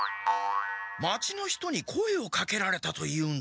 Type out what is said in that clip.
町の人に声をかけられたと言うんだ。